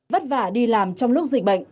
vất vả đi làm trong lúc dịch bệnh